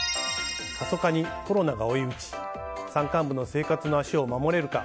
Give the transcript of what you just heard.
過疎化にコロナが追い打ち山間部の生活の足を守れるか。